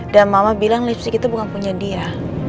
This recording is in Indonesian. dan mama bilang lipstick itu bukan punya dia